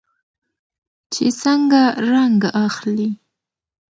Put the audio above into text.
چې څنګه رنګ اخلي.